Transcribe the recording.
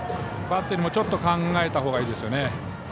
バッテリーもちょっと考えたほうがいいですね。